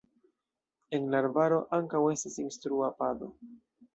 En la arbaro estas ankaŭ instrua pado.